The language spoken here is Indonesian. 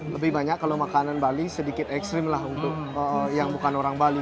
lebih banyak kalau makanan bali sedikit ekstrim lah untuk yang bukan orang bali